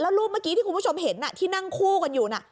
รูปเมื่อกี้ที่คุณผู้ชมเห็นที่นั่งคู่กันอยู่น่ะ